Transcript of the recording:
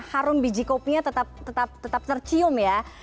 harum biji kopinya tetap tercium ya